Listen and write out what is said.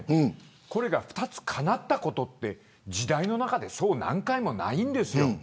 これが２つ、かなったことって時代の中でそう何回もないんですよ。